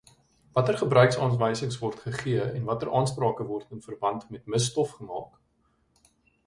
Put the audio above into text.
Watter gebruiksaanwysings word gegee en watter aansprake word in verband met misstof gemaak?